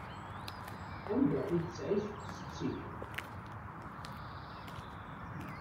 Anda i tettƐic setti-k?